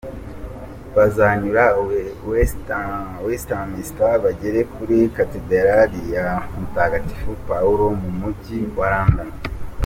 Bazanyura Westminster bagere kuri Katederali ya Mutagatifu Pawulo mu mujyi wa London.